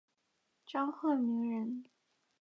张鹤鸣人。